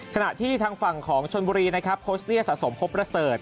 ขณะที่ทางฝั่งของชนบุรีนะครับโค้ชเรียสะสมพบประเสริฐ